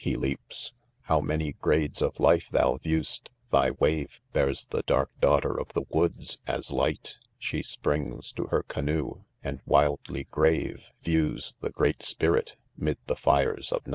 he \• [leaps* a How many grades of life thou viewf st 5 thy wave Sears the dark daughter of the woods, as light She springs to her canoe ; and wildly grave, (26) Views the " great spirit" mid the fires of night.